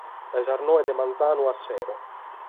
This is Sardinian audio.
Dae sas noe de mangianu a sero.